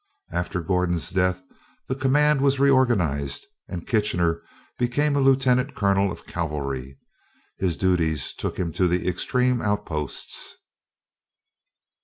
After Gordon's death, the command was reorganized, and Kitchener became a Lieutenant Colonel of Cavalry. His duties took him to the extreme outposts.